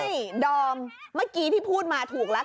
ใช่ดอมเมื่อกี้ที่พูดมาถูกแล้ว